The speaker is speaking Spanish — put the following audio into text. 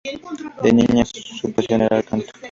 De niña, su pasión era el canto.